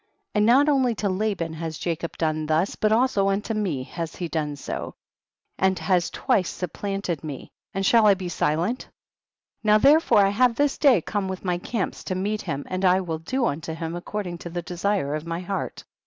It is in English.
1 1 . And not only to Laban has Jacob done thus but also unto me has he done so, and has twice sup planted me, and shall I be silent ? 12. Now therefore I have this day come with my camps to meet him, and I will do unto him according to the desire of my heart.